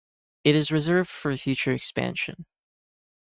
It is reserved for future expansion.